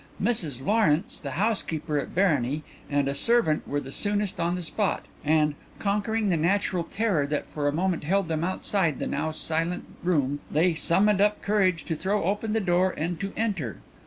Mrs Lawrence, the housekeeper at Barony, and a servant were the soonest on the spot, and, conquering the natural terror that for a moment held them outside the now silent room, they summoned up courage to throw open the door and to enter.